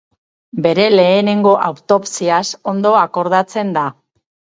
Bere lehenengo autopsiaz ondo akordatzen da.